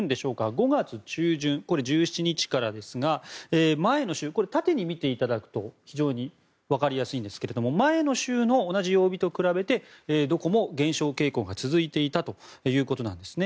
５月中旬これは１７日からですがこれは縦に見ていただくと非常にわかりやすいんですが前の週の同じ曜日と比べてどこも減少傾向が続いていたということなんですね。